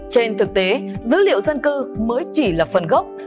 trên thực tế dữ liệu dân cư mới chỉ là phần gốc